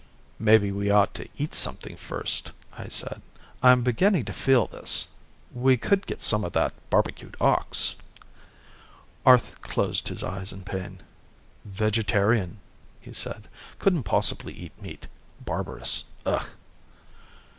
"Maybe we ought to eat something first," I said. "I'm beginning to feel this. We could get some of that barbecued ox." Arth closed his eyes in pain. "Vegetarian," he said. "Couldn't possibly eat meat. Barbarous. Ugh."